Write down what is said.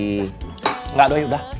tidak doi sudah